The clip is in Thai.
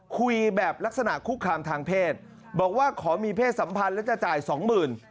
คุยแบบลักษณะคุกคามทางเพศบอกว่าขอมีเพศสัมพันธ์แล้วจะจ่ายสองหมื่น